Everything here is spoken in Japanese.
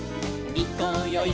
「いこうよい